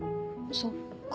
そっか。